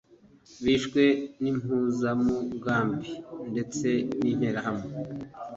bishwe n’impuzamugambi ndetse n’interahamwe